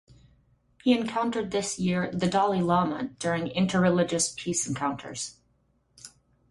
He encountered this year the Dalai Lama during inter-religious peace encounters.